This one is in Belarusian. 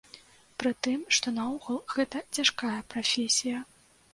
Прытым, што наогул гэта цяжкая прафесія.